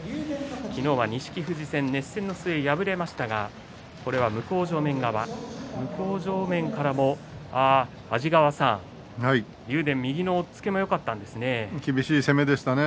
昨日は錦富士戦、熱戦の末敗れましたが、これは向正面からも安治川さん竜電、右の押っつけもよかったですね。